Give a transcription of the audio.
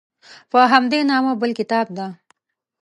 په همدې نامه بل کتاب ده.